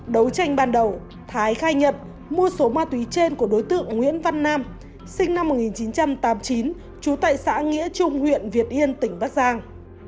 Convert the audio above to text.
đấu tranh ban đầu thái khai nhận mua số ma túy trên của đối tượng nguyễn văn nam sinh năm một nghìn chín trăm tám mươi chín trú tại xã nghĩa trung huyện việt yên tỉnh bắc giang